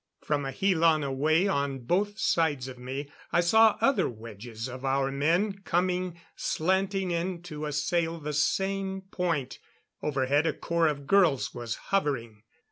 From a helan away on both sides of me I saw other wedges of our men coming slanting in to assail the same point; overhead a corps of girls was hovering.